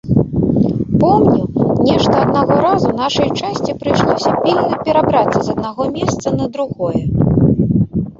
Помню, нешта аднаго разу нашай часці прыйшлося пільна перабрацца з аднаго месца на другое.